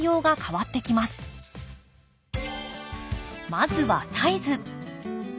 まずはサイズ。